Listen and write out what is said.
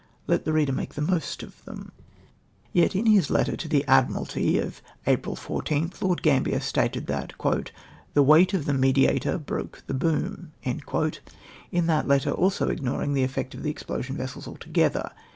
Let the reader make the most of them. Yet in his letter to the Admiralty of April 14th, Lord Gambler stated that " the weight of the Mediator broke the boom," in that letter also ignoring the effect of the explosion vessels altogether.